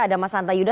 ada mas santa yuda